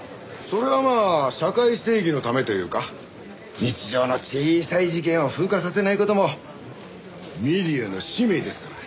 それはまあ社会正義のためというか日常の小さい事件を風化させない事もメディアの使命ですから。